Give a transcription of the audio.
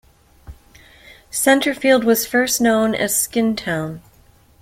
Centerfield was first known as Skin Town.